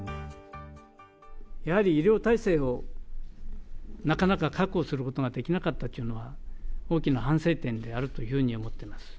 やはり医療体制をなかなか確保することができなかったというのは、大きな反省点であるというふうに思っております。